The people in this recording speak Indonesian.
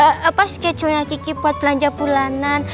eee pas schedule nya gigi buat belanja bulanan